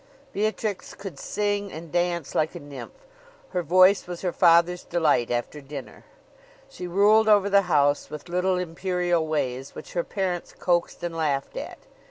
Beatrix could sing and dance like a nymph. Her voice was her father's delight after dinner. She ruled over the house with little imperial ways, which her parents coaxed and laughed at.